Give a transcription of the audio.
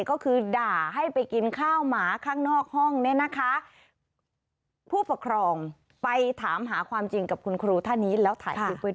คุณเปลี่ยนไปแล้วนะเจ๋วะคุณเปลี่ยนจากความเป็นกลูกไปแล้วน่ะ